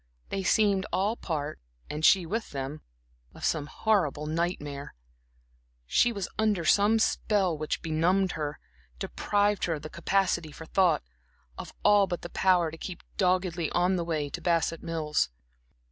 They seemed all part, and she with them of some horrible nightmare; she was under some spell which benumbed her, deprived her of the capacity for thought, of all but the power to keep doggedly on the way to Bassett Mills.